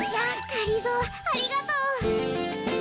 がりぞーありがとう。